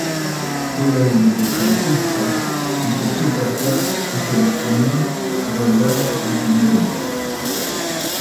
Juega de mediocampista y su equipo actual es el Union Douala de Camerún.